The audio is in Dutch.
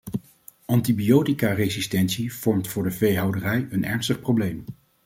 Antibioticaresistentie vormt voor de veehouderij een ernstig probleem.